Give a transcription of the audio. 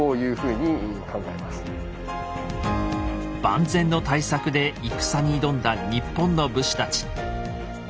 万全の対策で戦に挑んだ日本の武士たち。